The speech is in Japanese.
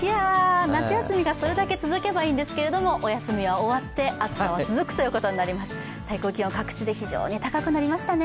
夏休みがそれだけ続けばいいんですけれどもお休みは終わって、暑さは続くということになります、最高気温、各地で非常に高くなりましたね。